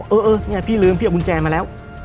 เออเออเนี่ยพี่ลืมพี่เอากุญแจมาแล้ว